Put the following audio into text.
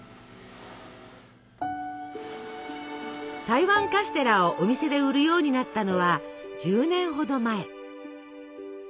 台湾カステラをお店で売るようになったのは１０年ほど前。